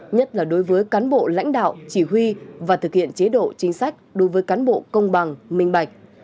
nhất là đối với cán bộ lãnh đạo chỉ huy và thực hiện chế độ chính sách đối với cán bộ công bằng minh bạch